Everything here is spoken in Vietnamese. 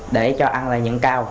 để cho ăn là nhuận cao